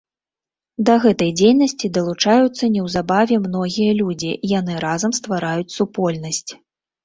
Да гэтай дзейнасці далучаюцца неўзабаве многія людзі, яны разам ствараюць супольнасць.